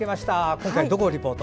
今回はどこをリポート？